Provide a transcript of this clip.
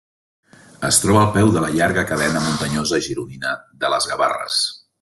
Es troba al peu de la llarga cadena muntanyosa gironina de les Gavarres.